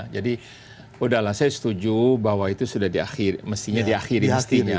jadi udahlah saya setuju bahwa itu sudah diakhiri mestinya diakhiri